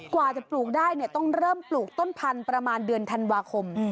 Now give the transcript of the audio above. กว่าจะปลูกได้ต้องเริ่มปลูกต้นพันธุ์ประมาณเดือนธันวาคม